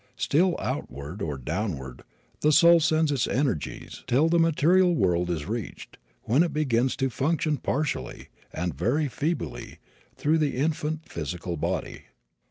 Still outward, or downward, the soul sends its energies till the material world is reached, when it begins to function partially, and very feebly, through the infant physical body.